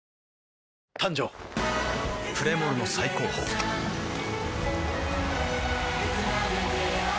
誕生プレモルの最高峰プシュッ！